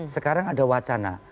sekarang ada wacana